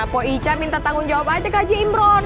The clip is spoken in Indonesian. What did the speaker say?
pak ica minta tanggung jawab aja ke haji imron